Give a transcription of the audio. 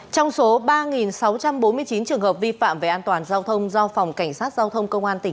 trong số ba sáu trăm bốn mươi chín trường hợp vi phạm về an toàn giao thông do phòng cảnh sát giao thông công an tỉnh